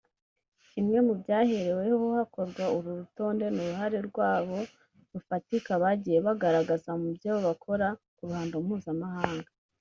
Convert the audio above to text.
Kimwe mu byahereweho hakorwa uru rutonde ni uruhare rwabo rufatika bagaiye bagaragaza mu byo bakora ku ruhando mpuzamahanga